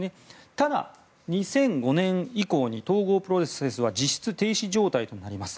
ただ、２００５年以降に統合プロセスは実質停止状態となります。